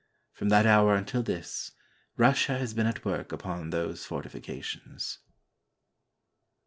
From that hour until this, Russia has been at work upon those fortifications.